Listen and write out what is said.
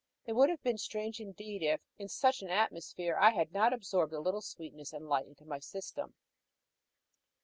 It would have been strange indeed if, in such an atmosphere, I had not absorbed a little sweetness and light into my system.